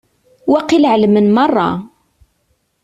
Waqil εelmen merra.